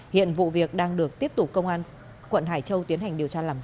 hiện vụ việc đang được tiếp tục công an quận hải châu tiến hành điều tra làm rõ